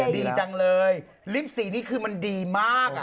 ดีจังเลยลิปของอย่างนี้คือมันดีมาก